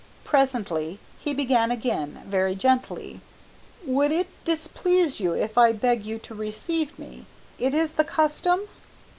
Presently he began again, very gently. "Would it displease you if I beg you to receive me? It is the custom?"